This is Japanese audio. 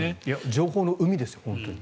情報の海ですよ、本当に。